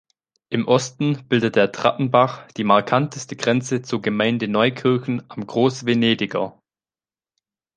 Im Osten bildet der Trattenbach die markanteste Grenze zur Gemeinde Neukirchen am Großvenediger.